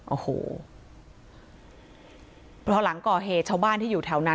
โอ้โหพอหลังก่อเหตุชาวบ้านที่อยู่แถวนั้น